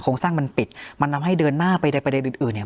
โครงสร้างมันปิดมันนำให้เดินหน้าไปได้ไปได้อื่นอื่นเนี้ย